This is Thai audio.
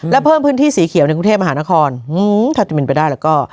และเพิ่มพื้นที่สีเขียวในกรุงเทพมหานครถ้าจะเป็นไปได้แล้วก็